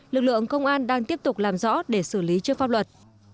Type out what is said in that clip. lực lượng công an đang tiếp tục làm rõ để xử lý trước pháp luật